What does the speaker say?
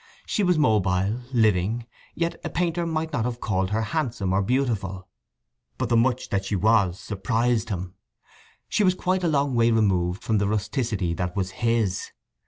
She was mobile, living, yet a painter might not have called her handsome or beautiful. But the much that she was surprised him. She was quite a long way removed from the rusticity that was his.